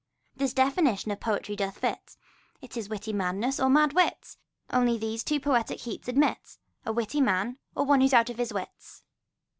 This definition poetry doth fit : It is witty madness, or mad wit. Only these two poetic heat admits : A witty man, or one that's out of 's wits.